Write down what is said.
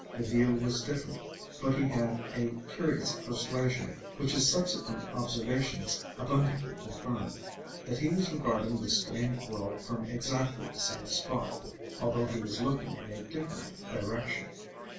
The view was different, but he had a curious persuasion, which his subsequent observations abundantly confirmed, that he was regarding this strange world from exactly the same spot, although he was looking in a different direction.